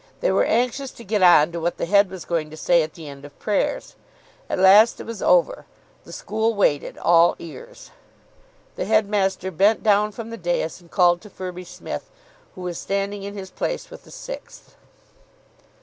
They were anxious to get on to what the Head was going to say at the end of prayers. At last it was over. The school waited, all ears. The headmaster bent down from the dais and called to Firby Smith, who was standing in his place with the Sixth.